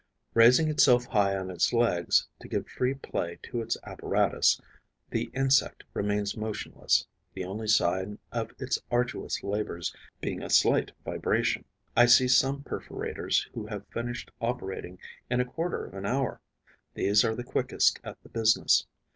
Raising itself high on its legs, to give free play to its apparatus, the insect remains motionless, the only sign of its arduous labours being a slight vibration. I see some perforators who have finished operating in a quarter of an hour. These are the quickest at the business.